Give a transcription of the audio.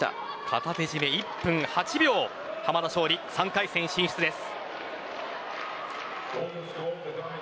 片手絞、１分８秒濱田尚里、３回戦進出です。